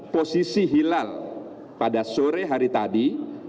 posisi hilal pada sore hari tadi